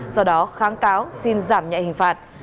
do đó kháng cáo xin giảm nhạy hình phạt